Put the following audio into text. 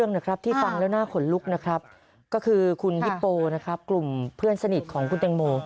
หน้าขนลุกนะครับก็คือคุณฮิปโปนะครับกลุ่มเพื่อนสนิทของคุณแตงโม